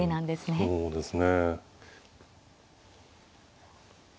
そうですね。